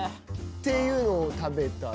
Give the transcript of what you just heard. ていうのを食べたり。